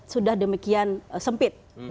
sudah demikian sempit